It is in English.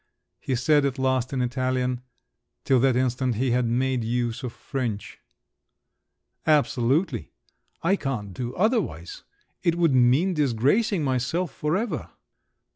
he said at last in Italian; till that instant he had made use of French. "Absolutely. I can't do otherwise—it would mean disgracing myself for ever."